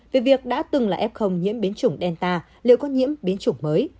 về việc đã từng là f nhiễm biến chủng delta nếu có nhiễm biến chủng mới